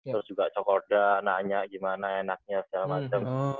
terus juga cokorda nanya gimana enaknya segala macem